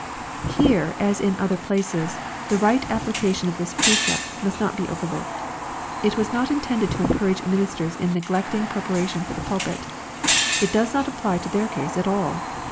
'] Here, as in other places, the right application of this precept must not be overlooked. It was not intended to encourage ministers in neglecting preparation for the pulpit. It does not apply to their case at all.